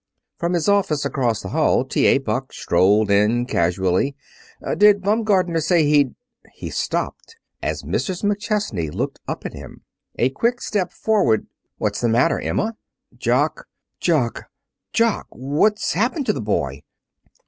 From his office across the hall T.A. Buck strolled in casually. "Did Baumgartner say he'd ?" He stopped as Mrs. McChesney looked up at him. A quick step forward "What's the matter, Emma?" "Jock Jock " "Jock! What's happened to the boy?"